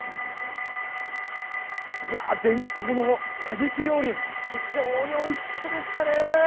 伝統のカジキ料理、非常においしそうでしたね。